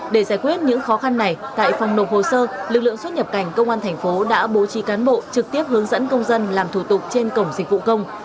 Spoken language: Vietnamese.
để giải quyết những khó khăn này tại phòng nộp hồ sơ lực lượng xuất nhập cảnh công an thành phố đã bố trí cán bộ trực tiếp hướng dẫn công dân làm thủ tục trên cổng dịch vụ công